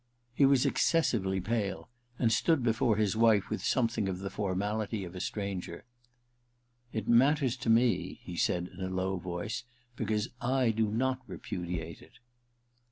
He was ex cessively pale, and stood before his wife with something of the formality of a stranger. II THE RECKONING 217 * It matters to me/ he said in a low voice, ' because I do not repudiate it.'